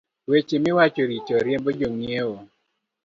Weche miwacho richo riembo jong’iewo